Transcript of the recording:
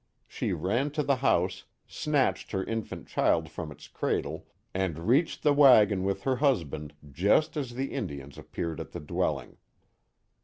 She ran to the house, snatched her infant child from its cradle, and reached the wagon with her husband just as the Indians ap peared at the dwelling.